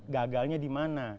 gagalnya di mana